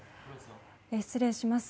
失礼します